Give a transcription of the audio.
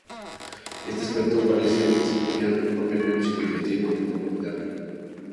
Este aspecto parece desempeñar un papel menos significativo en el manga moderno.